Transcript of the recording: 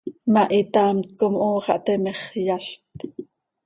ma, hitaamt com hoo xah teme x, yazt.